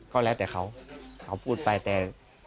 ก็แล้วแต่เขาเขาพูดไปแต่